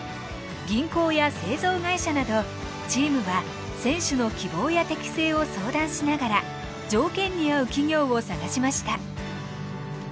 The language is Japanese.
銀行や製造会社などチームは選手の希望や適性を相談しながら条件に合う企業を探しました。